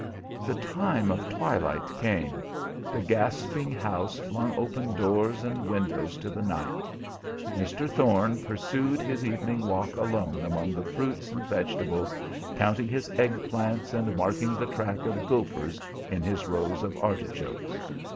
The time of twilight came; the gasping house flung open doors and windows to the night. Mr. Thorne pursued his evening walk alone among the fruits and vegetables, counting his egg plants, and marking the track of gophers in his rows of artichokes.